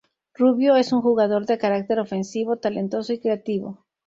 Rubio es un jugador de carácter ofensivo, talentoso y creativo.